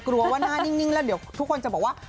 กลัวว่าหน้านิ่งแล้วเดี๋ยวทุกคนจะบอกว่า